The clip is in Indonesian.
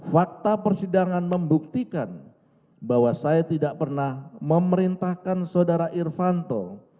fakta persidangan membuktikan bahwa saya tidak pernah memerintahkan saudara irvanto